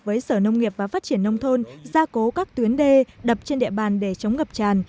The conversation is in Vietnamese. với sở nông nghiệp và phát triển nông thôn gia cố các tuyến đê đập trên địa bàn để chống ngập tràn